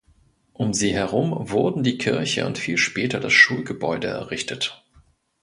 Um sie herum wurden die Kirche und viel später das Schulgebäude errichtet.